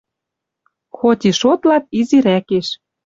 Хоть и шотлат изирӓкеш